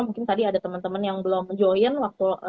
mungkin tadi ada teman teman yang belum join waktu